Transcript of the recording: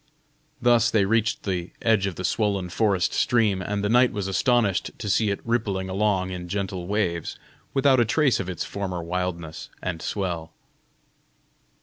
Thus they reached the edge of the swollen forest stream, and the knight was astonished to see it rippling along in gentle waves, without a trace of its former wildness and swell.